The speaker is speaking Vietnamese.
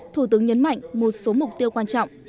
thủ tướng nhấn mạnh một số mục tiêu quan trọng